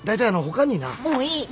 もういい！